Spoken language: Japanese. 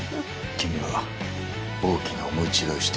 君は大きな思い違いをしているかもしれない。